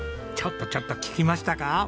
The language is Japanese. ちょっとちょっと聞きましたか？